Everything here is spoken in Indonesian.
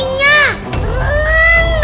kakak liat aja sendiri